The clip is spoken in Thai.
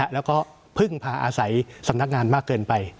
แล้วก็พึ่งพาอาศัยสำนักงานมากเกินไป